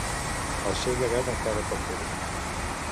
El seu llegat encara pot fer-ho.